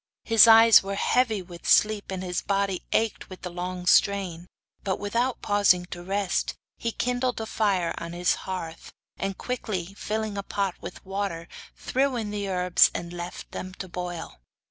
His eyes were heavy with sleep, and his body ached with the long strain, but, without pausing to rest, he kindled a fire on is hearth, and quickly filling a pot with water, threw in the herbs and left them to boil.